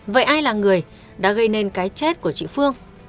vậy ai là người đã gây nên cái chết của chị phương